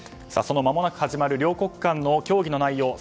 そのまもなく始まる両国間の協議の内容